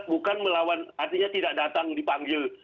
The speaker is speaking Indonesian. bukan melawan artinya tidak datang dipanggil